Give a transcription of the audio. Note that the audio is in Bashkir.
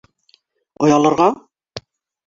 Оялырға?!